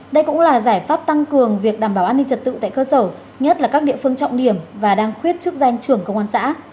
đây cũng là giải pháp tăng cường việc đảm bảo an ninh trật tự tại cơ sở nhất là các địa phương trọng điểm và đang khuyết chức danh trưởng công an xã